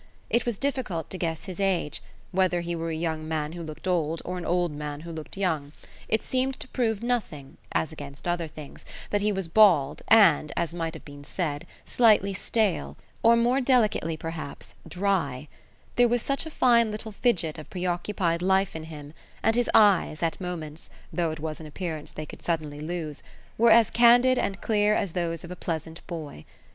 It was difficult to guess his age whether he were a young man who looked old or an old man who looked young; it seemed to prove nothing, as against other things, that he was bald and, as might have been said, slightly stale, or, more delicately perhaps, dry: there was such a fine little fidget of preoccupied life in him, and his eyes, at moments though it was an appearance they could suddenly lose were as candid and clear as those of a pleasant boy.